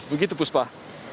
begitu bu spah